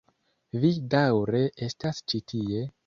Vi daŭre estas ĉi tie?